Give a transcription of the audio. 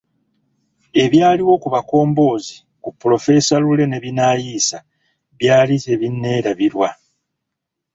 Ebyaliwo ku Bakomboozi ku polofeesa Lule ne Binaisa byali tebinneerabirwa.